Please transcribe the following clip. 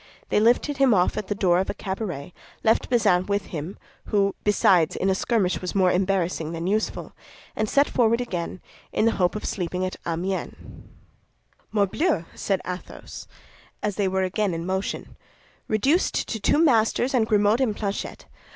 They lifted him off at the door of a cabaret, left Bazin with him, who, besides, in a skirmish was more embarrassing than useful, and set forward again in the hope of sleeping at Amiens. "Morbleu," said Athos, as soon as they were again in motion, "reduced to two masters and Grimaud and Planchet!